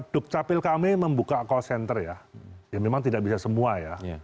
dukcapil kami membuka call center ya memang tidak bisa semua ya